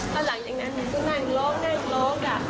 แล้วหลังจากนั้นหนูก็นั่งร้องนั่งร้องอ่ะ